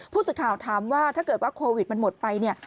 ผู้สึกข่าวถามว่าถ้าเกิดว่าโควิดมันหมดไป